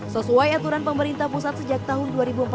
sesuai aturan pemerintah pusat sejak tahun dua ribu empat belas